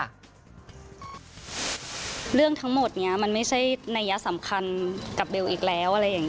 เรื่องทั้งหมดนี่มันไม่ใช่นัยสำคัญกับเบลอีกแล้ว